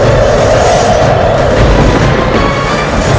dan menghentikan raiber